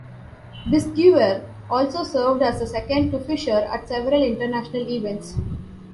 Bisguier also served as a second to Fischer at several international events.